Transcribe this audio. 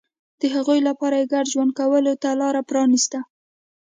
د هغوی لپاره یې ګډ ژوند کولو ته لار پرانېسته.